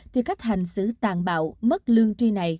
thì khách hành xử tàn bạo mất lương tri này